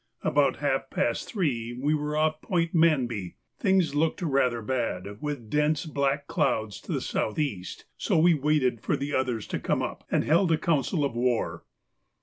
About half past three we were off Point Manby; things looked rather bad, with dense black clouds to the south east, so we waited for the others to come up, and held a council of war.